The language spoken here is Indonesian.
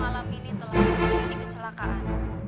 malam ini telah terjadi kecelakaan